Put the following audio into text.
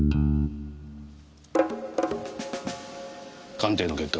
鑑定の結果